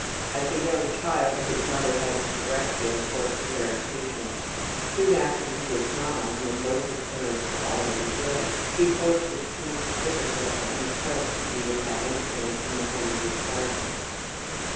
As a young child his mother had to correct him much for prevarications. Soon after he was 9, when both his parents were already dead, he forged a school certificate and was felt to be a bad influence in the home of his guardian.